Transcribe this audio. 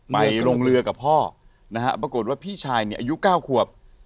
ไปลงเรือกับพ่อนะฮะปรากฏว่าพี่ชายเนี่ยอายุ๙ขวบ